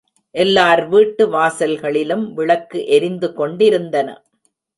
எல்லார் வீட்டு வாசல்களிலும் விளக்கு எரிந்து கொண்டிருந்தன.